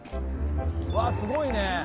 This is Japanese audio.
うわすごいね。